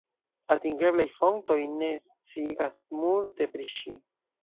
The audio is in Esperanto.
Atingeblaj fontoj ne sciigas multe pri ŝi.